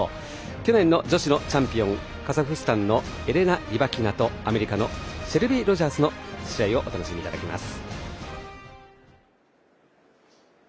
去年の女子のチャンピオンカザフスタンのエレナ・リバキナとアメリカのシェルビー・ロジャースの試合をお楽しみいただきます。